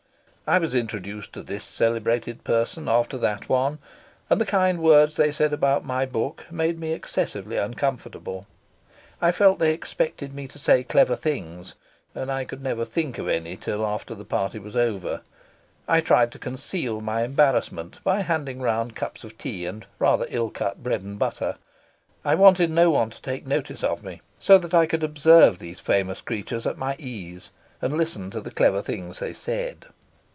I was introduced to this celebrated person after that one, and the kind words they said about my book made me excessively uncomfortable. I felt they expected me to say clever things, and I never could think of any till after the party was over. I tried to conceal my embarrassment by handing round cups of tea and rather ill cut bread and butter. I wanted no one to take notice of me, so that I could observe these famous creatures at my ease and listen to the clever things they said.